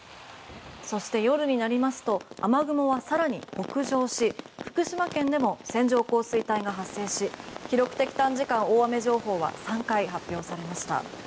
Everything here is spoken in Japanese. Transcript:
そして夜になりますと雨雲は更に北上し福島県でも線状降水帯が発生し記録的短時間大雨情報は３回発表されました。